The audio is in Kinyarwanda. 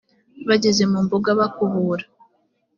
bageze mu mbuga bakubura